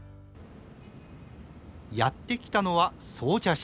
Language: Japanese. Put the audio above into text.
やって来たのは総社市。